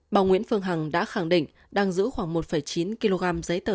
bà nguyễn phương hằng đã khẳng định đang giữ khoảng một chín kg giấy tờ